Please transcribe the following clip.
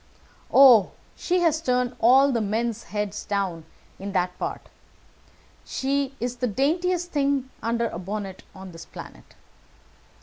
"Oh, she has turned all the men's heads down in that part. She is the daintest thing under a bonnet on this planet.